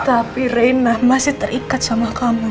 tapi reinna masih terikat sama kamu